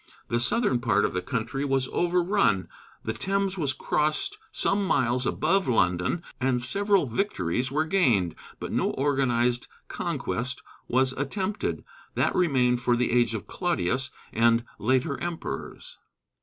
The southern part of the country was overrun, the Thames was crossed some miles above London, and several victories were gained, but no organized conquest was attempted. That remained for the age of Claudius and later emperors.